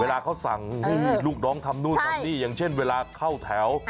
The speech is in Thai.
เวลาเขาสั่งให้ลูกน้องทำนู่นทำนี่อย่างเช่นเวลาเข้าแถว